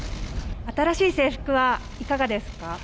新しい制服はいかがですか。